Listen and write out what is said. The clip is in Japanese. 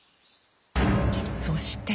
そして。